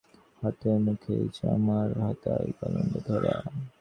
হাতে মুখে জামার হাতায় কলঙ্ক ধরা পড়ে।